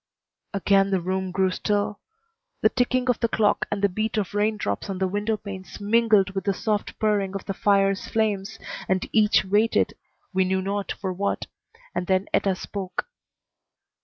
Again the room grew still. The ticking of the clock and the beat of raindrops on the windowpanes mingled with the soft purring of the fire's flames, and each waited, we knew not for what; and then Etta spoke.